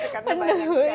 karena banyak sekali